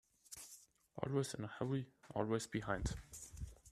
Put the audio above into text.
Always in a hurry, always behind.